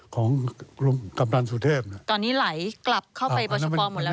ของกัปตันสุเทพตอนนี้ไหลกลับเข้าไปประชุมภอมูลมัน